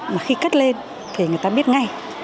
mà khi cất lên thì người ta biết ngay